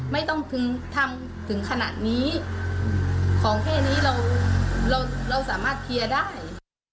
ไม่ต้องถึงทำถึงขนาดนี้ของแค่นี้เราเราสามารถเคลียร์ได้